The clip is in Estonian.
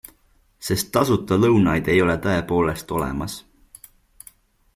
Sest tasuta lõunaid ei ole tõepoolest olemas.